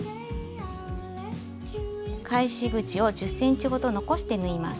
返し口を１０ｃｍほど残して縫います。